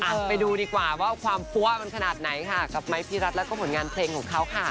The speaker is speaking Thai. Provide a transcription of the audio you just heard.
ไปดูดีกว่าว่าความปั้วมันขนาดไหนค่ะกับไม้พี่รัฐแล้วก็ผลงานเพลงของเขาค่ะ